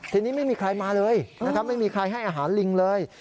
ทีนี้ไม่มีใครมาเลยนะครับไม่มีใครให้อาหารลิงเลย